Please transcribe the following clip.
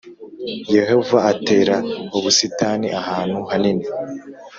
Yehova atera ubusitani ahantu hanini